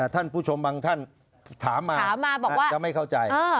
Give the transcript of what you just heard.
ท่านผู้ชมบางท่านถามมาจะไม่เข้าใจ